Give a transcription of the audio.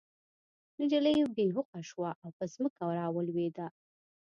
نجلۍ بې هوښه شوه او په ځمکه راولوېده